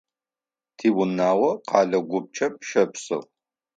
Тиунагъо къэлэ гупчэм щэпсэу.